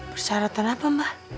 persyaratan apa mbak